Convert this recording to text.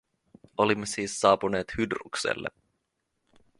Olimme siis saapuneet Hydrukselle.